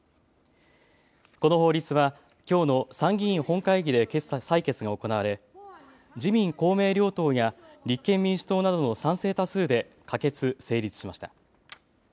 この法律はきょうの参議院本会議で採決が行われ自民公明両党や立憲民主党などの賛成多数で可決・成立しました。